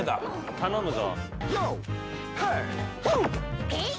頼むぞ！